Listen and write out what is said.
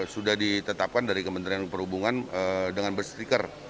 sudah ditetapkan dari kementerian perhubungan dengan bus striker